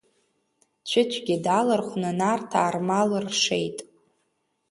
Цәыцәгьы далархәны Нарҭаа рмал ршеит.